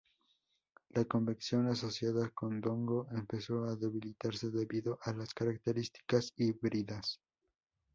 La Convención asociada con Dongo empezó a debilitarse debido a las características híbridas.